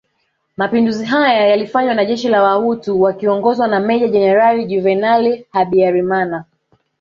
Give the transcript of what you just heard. Mapinduzi haya yalifanywa na jeshi la Wahutu wakiongozwa na Meja Jenerali Juvenal Habyarimana